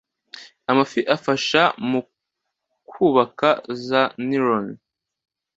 Amafi afasha mu kubaka za nerone